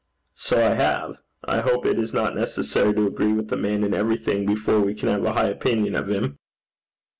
'So I have. I hope it is not necessary to agree with a man in everything before we can have a high opinion of him.'